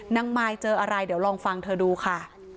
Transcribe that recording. มายเจออะไรเดี๋ยวลองฟังเธอดูค่ะ